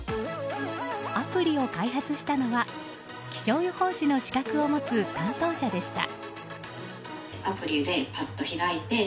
アプリを開発したのは気象予報士の資格を持つ担当者でした。